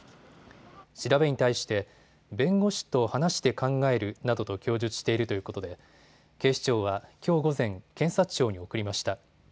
調べに対して弁護士と話して考えるなどと供述しているということで警視庁は、きょう午前、検察庁に送りました。